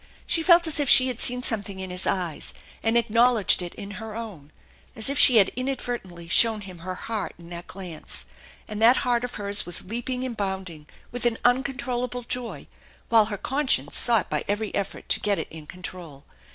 She felt as if she had seen something in his eyes and acknowledged it in her own, as if she had inadvertently shown him her heart in that glance, and that heart of hers was leaping and bounding with an uncontrollable joy, while her conscience sought by every effort to get it in control.